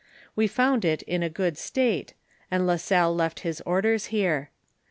We found it in a good state, and La Salle left his ordere here.